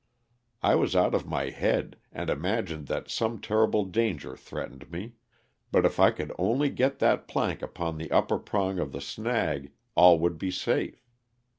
I was out of my head and imagined that some ter rible danger threatened me, but if I could only get that plank upon the upper prong of the snag, all would be safe.